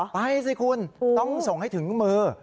ไปสิคุณต้องส่งให้ถึงมือ